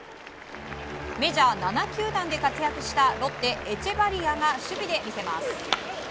メジャー７球団で活躍したロッテ、エチェバリアが守備で魅せます。